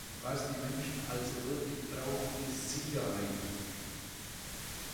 Was die Menschen also wirklich brauchen, ist Sicherheit.